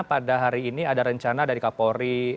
pada hari ini ada rencana dari kapolri